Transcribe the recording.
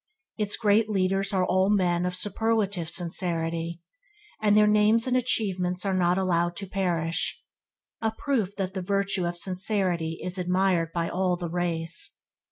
Its great leaders are all men of superlative sincerity; and their names and achievements are not allowed to perish – a proof that the virtue of sincerity is admired by all the race.